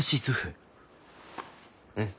うん。